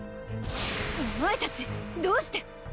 お前たちどうして⁉